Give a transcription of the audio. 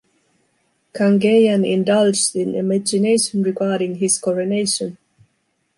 Kangeyan indulged in imagination regarding his coronation!